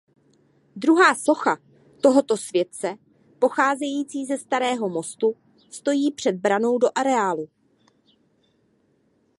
Druhá socha tohoto světce pocházející ze starého Mostu stojí před branou do areálu.